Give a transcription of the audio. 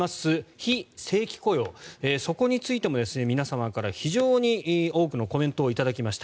非正規雇用そこについても皆様から非常に多くのコメントを頂きました。